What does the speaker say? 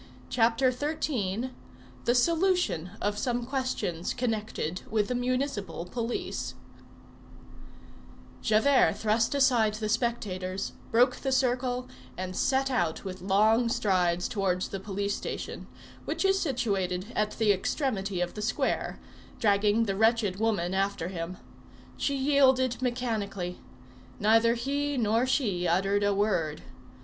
CHAPTER XIII—THE SOLUTION OF SOME QUESTIONS CONNECTED WITH THE MUNICIPAL POLICE Javert thrust aside the spectators, broke the circle, and set out with long strides towards the police station, which is situated at the extremity of the square, dragging the wretched woman after him. She yielded mechanically. Neither he nor she uttered a word.